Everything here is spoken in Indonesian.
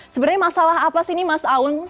sebenarnya masalah apa sih ini mas aun